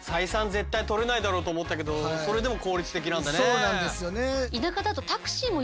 そうなんですよね。